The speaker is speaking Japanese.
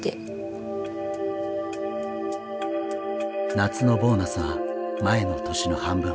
夏のボーナスは前の年の半分。